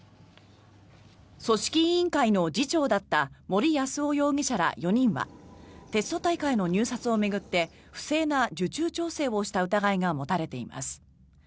組織委員会の次長だった森泰夫容疑者ら４人はテスト大会の入札を巡って不正な受注調整をした疑いが持たれています。